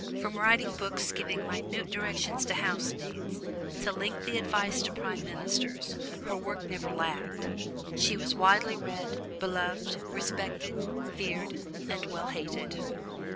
From writing books giving minute directions to housemaids, to lengthy advice to prime ministers, her work never lagged. She was widely read, beloved, respected, feared and well hated.